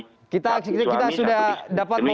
kita sudah dapat poin